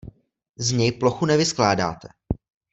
Z něj plochu nevyskládáte.